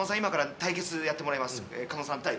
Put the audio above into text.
今から対決やってもらいます」。